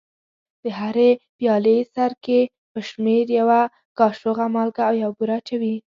د هرې پیالې سرکې پر شمېر یوه کاشوغه مالګه او یوه بوره اچوي.